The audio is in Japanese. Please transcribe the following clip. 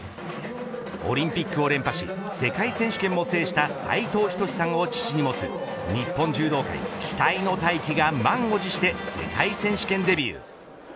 オリンピックを連破し世界選手権も制した斉藤仁さんを父に持つ日本柔道界期待の大器が満を持して世界選手権デビュー。